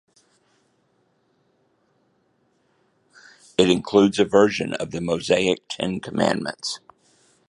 It includes a version of the Mosaic Ten Commandments.